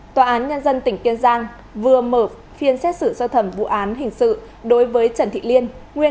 tòa án nhân dân tỉnh kiên giang vừa mở phiên xét xử sơ thẩm vụ án hình sự đối với trần thị liên